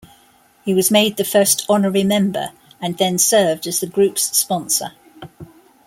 He was made the first honorary member and then served as the group's sponsor.